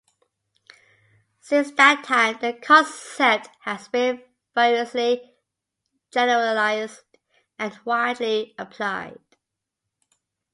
Since that time, the concept has been variously generalised and widely applied.